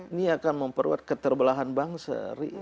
ini akan memperkuat keterbelahan bangsa